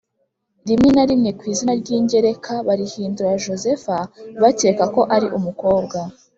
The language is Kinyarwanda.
rimwe na rimwe ku izina ry ingereka barihindura Josepha bakeka ko ari umukobwa